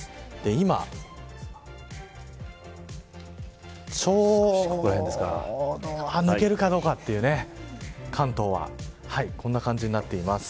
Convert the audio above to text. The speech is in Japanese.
今ちょうど抜けるかどうかという関東はこんな感じになっています。